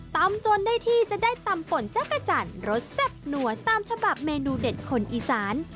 จนได้ที่จะได้ตำป่นจักรจันทร์รสแซ่บหนัวตามฉบับเมนูเด็ดคนอีสาน